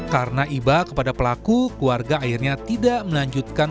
karena iba kepada pelaku keluarga akhirnya tidak melanjutkan